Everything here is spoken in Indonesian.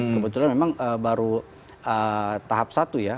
kebetulan memang baru tahap satu ya